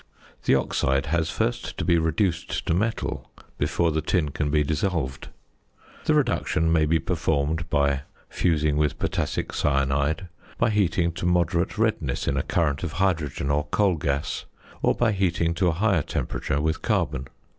The oxide has first to be reduced to metal before the tin can be dissolved. The reduction may be performed by fusing with potassic cyanide, by heating to moderate redness in a current of hydrogen or coal gas, or by heating to a higher temperature with carbon.